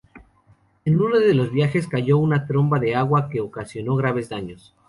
En uno de los viajes cayó una tromba de agua que ocasionó graves daños.